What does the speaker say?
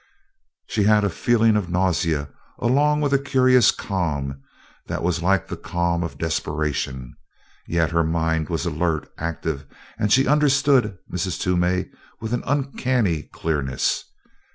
She had a feeling of nausea along with a curious calm that was like the calm of desperation. Yet her mind was alert, active, and she understood Mrs. Toomey with an uncanny clearness.